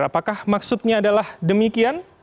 apakah maksudnya adalah demikian